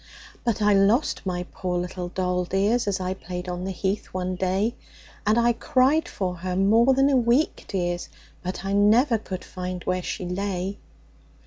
But I lost my poor little doll, dears, As I played on the heath one day; And I cried for her more than a week, dears, But I never could find where she lay.